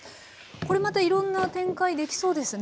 これまたいろんな展開できそうですね。